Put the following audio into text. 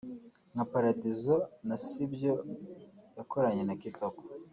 ‘Nka Paradizo’ na ‘Sibyo yakoranye na Kitoko’